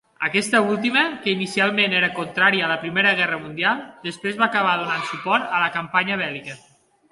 Aquesta última, que inicialment era contrària a la Primera Guerra Mundial, després va acabar donant suport a la campanya bèl·lica.